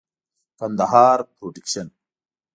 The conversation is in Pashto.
ګندهارا پروډکشن.